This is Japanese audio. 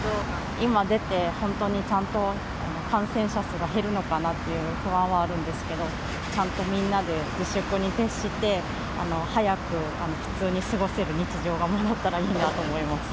今、出て本当にちゃんと感染者数が減るのかなっていう不安はあるんですけど、ちゃんとみんなで自粛に徹して、早く普通に過ごせる日常が戻ったらいいなと思います。